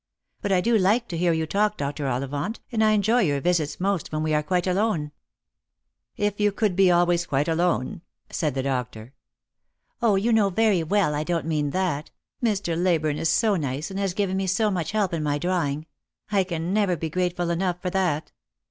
But I do like to hear you talk, Dr. Ollivant, and I enjoy your visits most when we are quite alone." 72 jjost for Love. " If you could be always quite alone," said the doctor. " 0, you know very well, I don't mean that. Mr. Leyburne is so nice, and has given me such help in my drawing ; I can never be grateful enough for that.